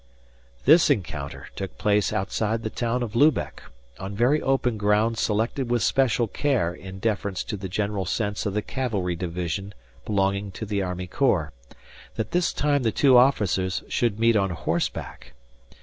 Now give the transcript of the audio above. This encounter took place outside the town of Lubeck, on very open ground selected with special care in deference to the general sense of the cavalry division belonging to the army corps, that this time the two officers should meet on horseback.